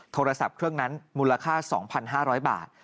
โทรศัพท์เครื่องนั้นมูลค่า๒๕๐๐บาท